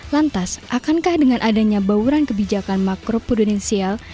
lantas akankah dengan adanya bauran kebijakan makroprudensial